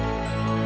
kau mau luar ga